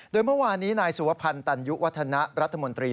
โดยเมื่อวานนี้นายสุวพันธ์ตันยุวัฒนะรัฐมนตรี